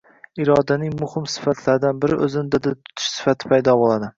irodaning muhim sifatlaridan biri – o‘zini dadil tutish sifati paydo bo‘ladi.